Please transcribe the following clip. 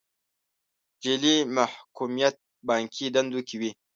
جعلي محکوميت بانکي دندو کې وي.